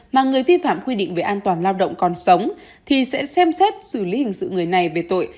mà người vi phạm quy định về an toàn lao động còn sống thì sẽ xem xét xử lý hình sự người này về tội